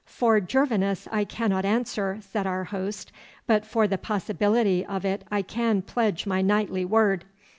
'For Gervinus I cannot answer,' said our host, 'but for the possibility of it I can pledge my knightly word.